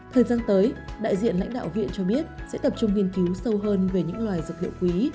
thời gian tới đại diện lãnh đạo viện cho biết sẽ tập trung nghiên cứu sâu hơn về những loài dược liệu quý